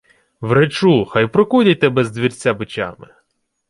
— Вречу, хай прокудять тебе з двірця бичами!